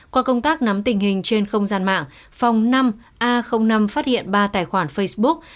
qua công tác nắm tình hình trên không gian mạng phòng năm a năm phát hiện ba tài khoản facebook